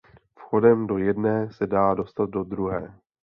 Vchodem do jedné se dá dostat do druhé.